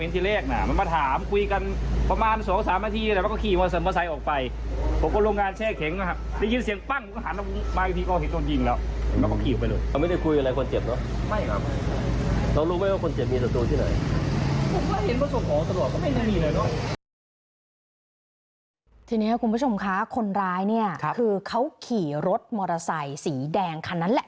ทีนี้คุณผู้ชมคะคนร้ายเนี่ยคือเขาขี่รถมอเตอร์ไซค์สีแดงคันนั้นแหละ